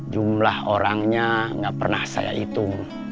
jumlah orangnya nggak pernah saya hitung